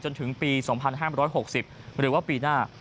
จนถึงปี๒๕๖๐หรือว่าปีหน้า